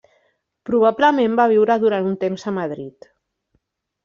Probablement va viure durant un temps a Madrid.